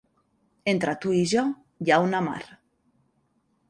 Entre tu i jo hi ha una mar.